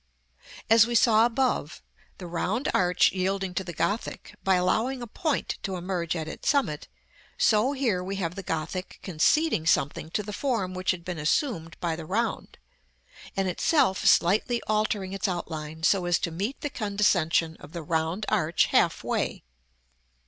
As we saw above, § XIV., the round arch yielding to the Gothic, by allowing a point to emerge at its summit, so here we have the Gothic conceding something to the form which had been assumed by the round; and itself slightly altering its outline so as to meet the condescension of the round arch half way.